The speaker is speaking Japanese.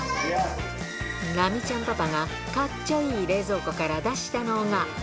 ラミちゃんパパが、かっちょいい冷蔵庫から出したのが。